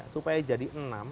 supaya jadi enam